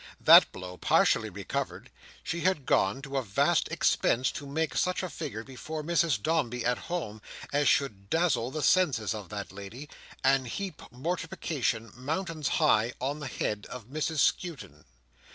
That blow partially recovered, she had gone to a vast expense to make such a figure before Mrs Dombey at home, as should dazzle the senses of that lady, and heap mortification, mountains high, on the head of Mrs Skewton.